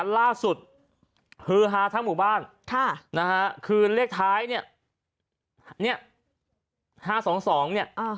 ล่าสุดคือฮาทางหมู่บ้านนะคือเลขท้ายนี้